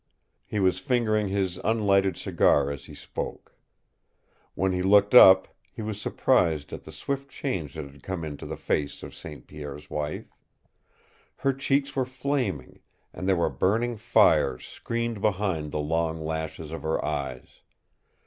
He was fingering his unlighted cigar as he spoke. When he looked up, he was surprised at the swift change that had come into the face of St. Pierre's wife. Her cheeks were flaming, and there were burning fires screened behind the long lashes of her eyes.